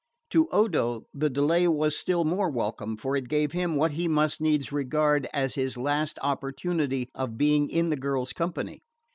To Odo the delay was still more welcome; for it gave him what he must needs regard as his last opportunity of being in the girl's company.